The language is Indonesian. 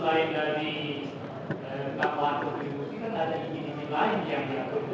saya tahu pak